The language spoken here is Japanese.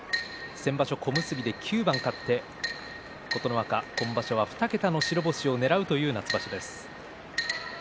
先場所小結で９番勝って琴ノ若今場所は２桁の白星をねらう夏場所です。